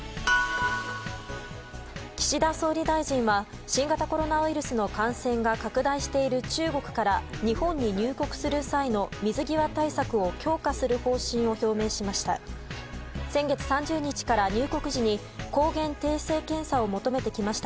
岸田総理大臣は新型コロナウイルスの感染が拡大している中国から日本に入国する際の水際対策を強化する方針を表明しました。